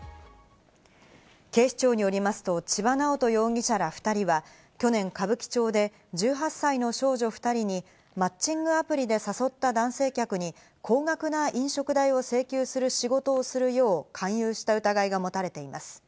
警視庁によりますと、千葉南音容疑者ら２人は去年、歌舞伎町で１８歳の少女２人にマッチングアプリで誘った男性客に高額な飲食代を請求する仕事をするよう勧誘した疑いが持たれています。